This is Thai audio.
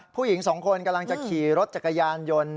ผู้หญิงสองคนกำลังจะขี่รถจักรยานยนต์